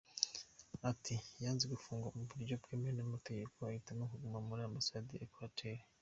Ati “ Yanze gufungwa mu buryo bwemewe n’amategeko ahitamo kuguma muri ambasade ya Equateur.